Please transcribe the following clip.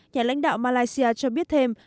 nhà lãnh đạo malaysia cho biết thêm